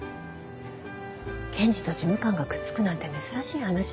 検事と事務官がくっつくなんて珍しい話じゃないわ。